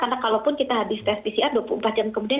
karena kalau pun kita habis tes pcr dua puluh empat jam kemudian